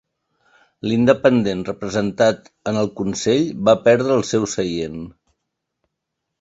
L'independent representat en el consell va perdre el seu seient.